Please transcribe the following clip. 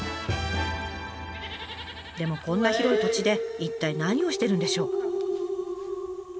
でもこんな広い土地で一体何をしてるんでしょう？